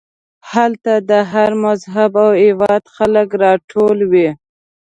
هلته د هر مذهب او هېواد خلک راټول وي.